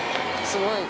すごい！